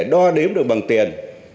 đo đếm được bằng tiền